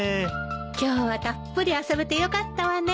今日はたっぷり遊べてよかったわね。